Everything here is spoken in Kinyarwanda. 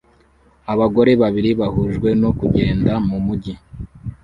Abagore babiri bahujwe no kugenda mu mujyi